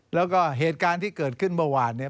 แล้วก็เหตุการณ์ที่เกิดขึ้นเมื่อวานเนี่ย